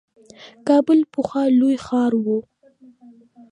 کابل پخوا لوی ښار وو.